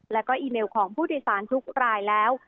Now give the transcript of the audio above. และก็อีเมลของผู้โดยสารทุกรายแล้ว